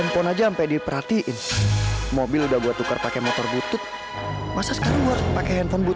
saya akan lakukan